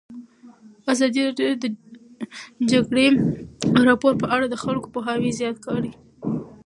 ازادي راډیو د د جګړې راپورونه په اړه د خلکو پوهاوی زیات کړی.